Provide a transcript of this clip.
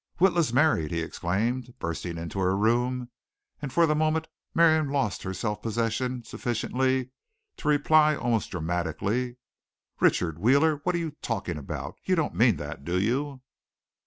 "Witla's married!" he exclaimed, bursting into her room, and for the moment Miriam lost her self possession sufficiently to reply almost dramatically: "Richard Wheeler, what are you talking about! You don't mean that, do you?"